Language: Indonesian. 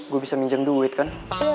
gue bisa minjem duit kan